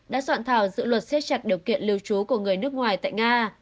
đã soạn thảo dự luật siết chặt điều kiện lưu trú của người nước ngoài tại nga